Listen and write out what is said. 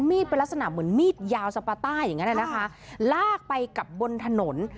เป็นลักษณะเหมือนมีดยาวสปาต้าอย่างนั้นนะคะลากไปกับบนถนน